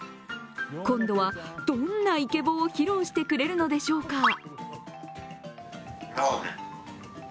今度はどんなイケボを披露してくれるのでしょうか。